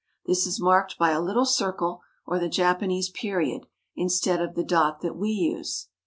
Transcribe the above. This is marked by a little circle, or the Japanese period, instead of the dot that we use.